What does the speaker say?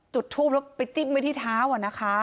จุดทูปแล้วไปจิ้มไว้ที่เท้านะคะ